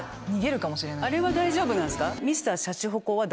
あれは大丈夫なんですか？